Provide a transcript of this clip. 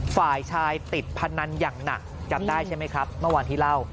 ฝ่ายชายติดพนันอย่างหนักจำได้ใช่ไหมครับเมื่อวานที่เล่า